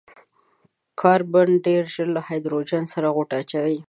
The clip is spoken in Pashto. کاربن ډېر ژر له هايډروجن سره غوټه اچوي.